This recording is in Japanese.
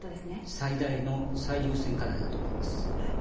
最大の最優先課題だと思います。